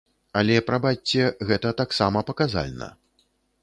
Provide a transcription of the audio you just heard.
Але, прабачце, гэта таксама паказальна.